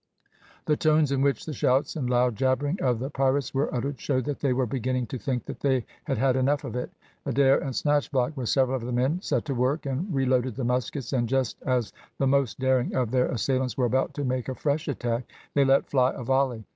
The tones in which the shouts and loud jabbering of the pirates were uttered showed that they were beginning to think that they had had enough of it. Adair and Snatchblock, with several of the men, set to work and reloaded the muskets, and just as the most daring of their assailants were about to make a fresh attack they let fly a volley.